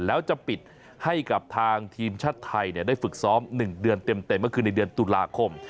แล้วจะปิดให้กับทางทีมชาติไทยได้ฝึกซ้อม๑เดือนเต็มก็คือในเดือนตุลาคม